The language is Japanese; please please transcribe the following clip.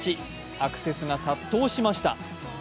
アクセスが殺到しました。